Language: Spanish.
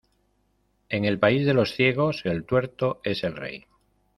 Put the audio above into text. En el país de los ciegos el tuerto es el rey.